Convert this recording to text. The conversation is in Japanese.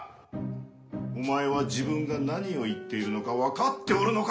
お前は自分が何を言っているのか分かっておるのか？